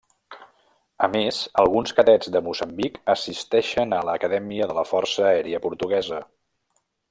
A més, alguns cadets de Moçambic assisteixen a l'Acadèmia de la Força Aèria Portuguesa.